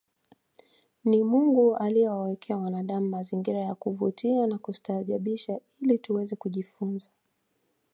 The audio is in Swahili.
Ni Mungu aliyewawekea wanadamu mazingira ya kuvutia na kustaajabisha ili tuweze kujifunza